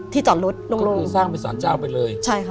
ที่จอดรถโล่งโล่งก็คือสร้างเป็นสรรเจ้าไปเลยใช่ค่ะ